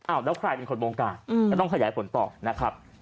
แล้วใครเป็นคนวงการก็ต้องขยายผลต่อนะครับ